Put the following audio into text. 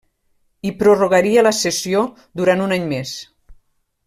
Hi prorrogaria la cessió durant un any més.